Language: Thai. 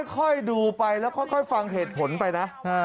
ค่อยดูไปแล้วค่อยฟังเหตุผลไปนะ